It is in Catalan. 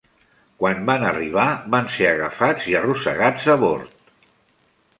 Quan van arribar, van ser agafats i arrossegats abord.